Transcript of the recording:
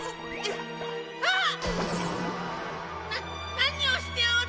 ななにをしておる！？